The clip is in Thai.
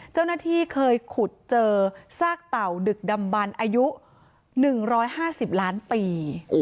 เจ้าหน้าที่เคยขุดเจอซากเต่าดึกดำบันอายุ๑๕๐ล้านปี